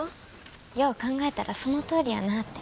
よう考えたらそのとおりやなって。